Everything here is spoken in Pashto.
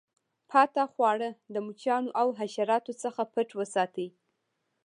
پاته خواړه د مچانو او حشراتو څخه پټ وساتئ.